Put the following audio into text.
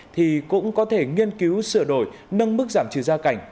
thì cũng có thể nghiên cứu sửa đổi nâng mức giảm trừ gia cảnh